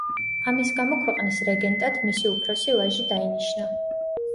ამის გამო ქვეყნის რეგენტად მისი უფროსი ვაჟი დაინიშნა.